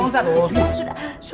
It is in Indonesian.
untuk bang ustadz